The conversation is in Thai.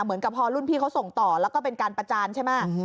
เหมือนกับพอรุ่นพี่เขาส่งต่อแล้วก็เป็นการประจานใช่ไหม